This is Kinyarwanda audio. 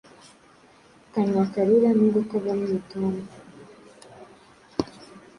Kanwa karura nubwo kavamo imitoma